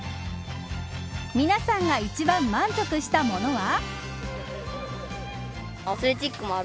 皆さんが一番満足したものは。